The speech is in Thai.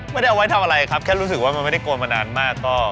ไม่ได้เอาไว้ทำอะไรครับแค่รู้สึกว่ามันไม่ได้โกนมานานมาก